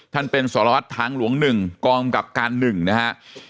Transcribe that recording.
ท่านเป็นสรวจทางหลวงหนึ่งกรอบกับการหนึ่งนะฮะ